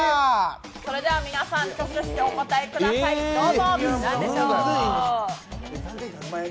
それでは皆さん挙手してお答えくださいどうぞ。